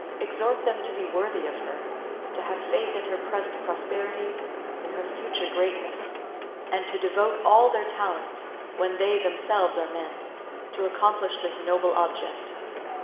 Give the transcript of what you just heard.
Exhort them to be worthy of her to have faith in her present prosperity, in her future greatness, and to devote all their talents, when they themselves are men, to accomplish this noble object.